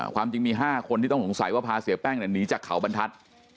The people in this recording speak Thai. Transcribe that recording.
ความจริงมี๕คนที่ต้องสงสัยว่าพาเสียแป้งหนีจากเขาบรรทัศน์